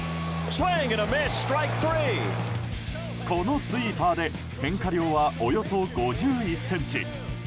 このスイーパーで変化量は、およそ５１ｃｍ。